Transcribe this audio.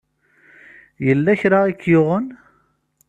Yella kra ay k-yuɣen?